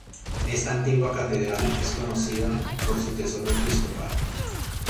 Esta antigua catedral es conocida por su tesoro episcopal.